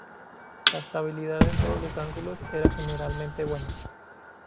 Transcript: La estabilidad en todos los ángulos era generalmente buena.